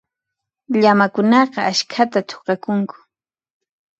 Llamakunaqa askhata thuqakunku.